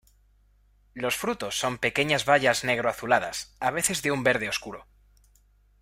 Los frutos son pequeñas bayas negro azuladas, a veces de un verde oscuro.